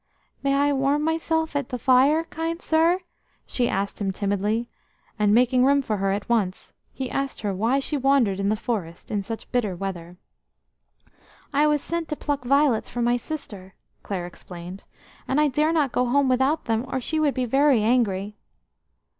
"May I warm myself at the fire, kind sir?" she asked him timidly, and making room for her at once, he asked her why she wandered in the forest in such bitter weather. "I was sent to pluck violets for my sister," Clare explained, "and I dare not go home without them, or she would be very angry."